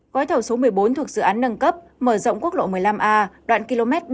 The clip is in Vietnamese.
gói thầu số một mươi bốn thuộc dự án nâng cấp mở rộng quốc lộ một mươi năm a đoạn km ba trăm linh một năm trăm linh